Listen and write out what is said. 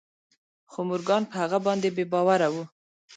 خو مورګان په هغه باندې بې باوره و